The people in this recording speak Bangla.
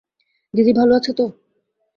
দিদি ভাল আছে তো?